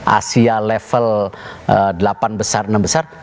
asia level delapan besar enam besar